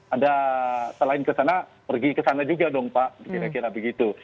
ada selain kesana pergi ke sana juga dong pak kira kira begitu